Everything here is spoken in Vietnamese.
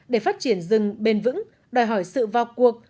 để phát triển rừng bền vững đòi hỏi sự vào cuộc